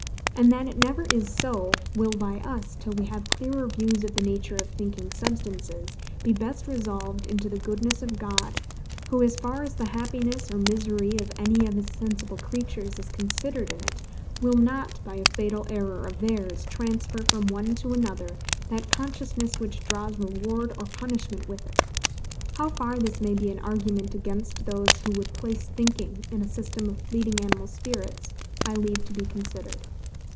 And that it never is so, will by us, till we have clearer views of the nature of thinking substances, be best resolved into the goodness of God; who, as far as the happiness or misery of any of his sensible creatures is concerned in it, will not, by a fatal error of theirs, transfer from one to another that consciousness which draws reward or punishment with it. How far this may be an argument against those who would place thinking in a system of fleeting animal spirits, I leave to be considered.